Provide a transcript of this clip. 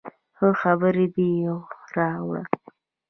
ښه خبر دې راوړ